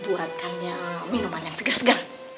buatkannya minuman yang segar segar